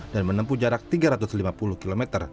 dan menempuh jarak tiga ratus lima puluh km